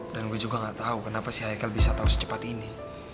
dan gue juga gak tau kenapa si haykel bisa tau secepat ini